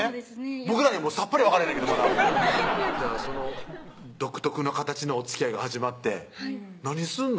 僕らにはさっぱり分からないけどまだじゃあその独特の形のお付き合いが始まって何すんの？